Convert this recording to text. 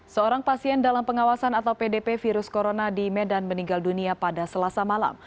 seorang pasien dalam pengawasan atau pdp virus corona di medan meninggal dunia pada selasa malam